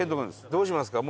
どうしますか？